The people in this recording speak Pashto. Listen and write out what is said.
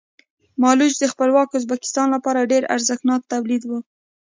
مالوچ د خپلواک ازبکستان لپاره ډېر ارزښتناک تولید و.